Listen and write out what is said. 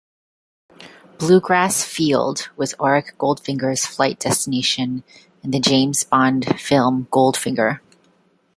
Blue Grass Field was Auric Goldfinger's flight destination in the James Bond film "Goldfinger".